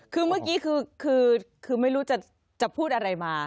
คือเมื่อกี้คือไม่รู้จะพูดอะไรมา